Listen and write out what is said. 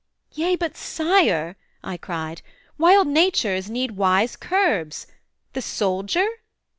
'Yea but Sire,' I cried, 'Wild natures need wise curbs. The soldier?